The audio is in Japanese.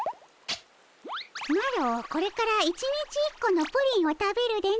マロこれから１日１個のプリンを食べるでの。